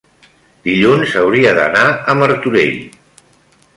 dilluns hauria d'anar a Martorell.